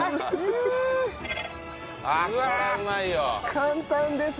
簡単です。